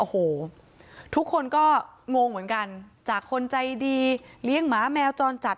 โอ้โหทุกคนก็งงเหมือนกันจากคนใจดีเลี้ยงหมาแมวจรจัด